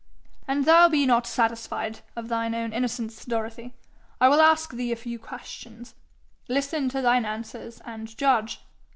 ''An' thou be not satisfied of thine own innocence, Dorothy, I will ask thee a few questions. Listen to thine answers, and judge.